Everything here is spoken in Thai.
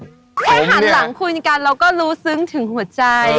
แค่หันหลังคุยกันเราก็รู้ซึ้งถึงหัวใจ